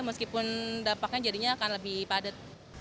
meskipun dampaknya jadinya akan lebih padat